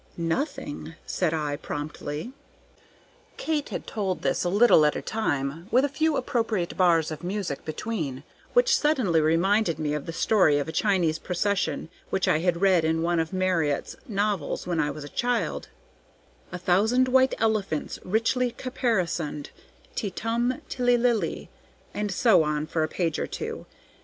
"Nothing," said I, promptly. Kate had told this a little at a time, with a few appropriate bars of music between, which suddenly reminded me of the story of a Chinese procession which I had read in one of Marryat's novels when I was a child: "A thousand white elephants richly caparisoned, ti tum tilly lily," and so on, for a page or two.